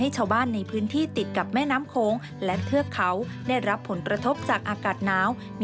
จากรายงานค่ะ